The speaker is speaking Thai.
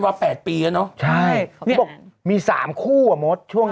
ไปแล้ว